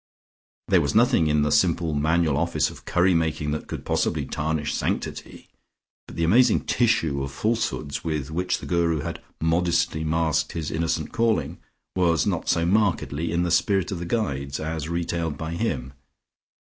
There was nothing in the simple manual office of curry making that could possibly tarnish sanctity, but the amazing tissue of falsehoods with which the Guru had modestly masked his innocent calling was not so markedly in the spirit of the Guides, as retailed by him.